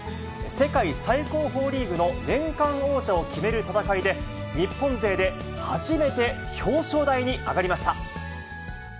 世界最高峰リーグの年間王者を決める戦いで、日本勢で初めて表彰台に上がりました。